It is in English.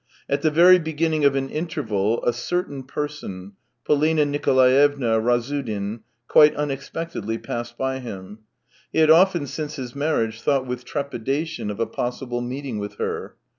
At the very beginning of an interval a " certain person," Polina Nikolaevna Razsudin, quite unexpectedly passed by him. He had often since his marriage thought with trepidation of a possible meeting with her.